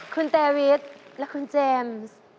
คุณเตวิทและคุณเจมส์